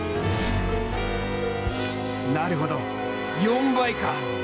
なるほど４倍か！